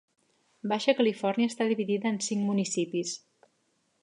Baixa Califòrnia està dividida en cinc municipis.